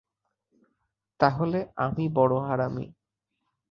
তাহলে আমি বড়ো হারামি।